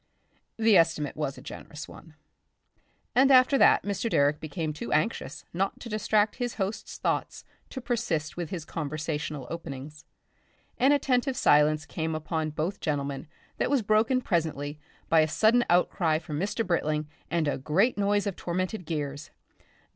The estimate was a generous one. And after that Mr. Direck became too anxious not to distract his host's thoughts to persist with his conversational openings. An attentive silence came upon both gentlemen that was broken presently by a sudden outcry from Mr. Britling and a great noise of tormented gears.